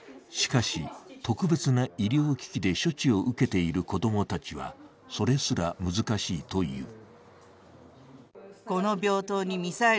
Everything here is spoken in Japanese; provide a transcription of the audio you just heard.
しかし、特別な医療機器で処置を受けている子供たちはそれすら難しいという。